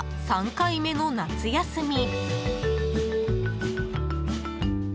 ３回目の夏休み。